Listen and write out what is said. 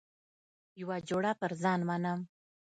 یوه جوړه پر ځان منم.